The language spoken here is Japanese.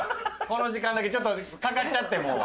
この時間だけちょっとかかっちゃってもう。